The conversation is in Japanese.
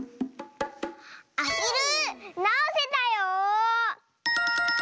アヒルなおせたよ！